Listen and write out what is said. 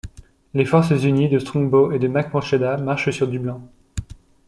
Les forces unies de Strongbow et de Mac Murchada marchent sur Dublin.